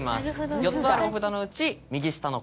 ４つあるお札のうち右下のこの「渦」。